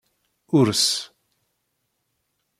Urss